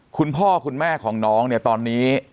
คุณพ่อคุณแม่ของน้องเนี่ยตอนนี้